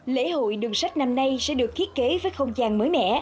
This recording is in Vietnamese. lễ hội đường sách năm nay sẽ được thiết kế với không gian mới mẻ